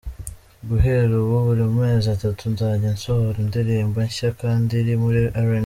Guhera ubu, buri mezi atatu nzajya nsohora indirimbo nshya kandi iri muri R&B.